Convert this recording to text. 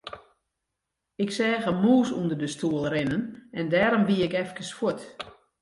Ik seach in mûs ûnder de stoel rinnen en dêrom wie ik efkes fuort.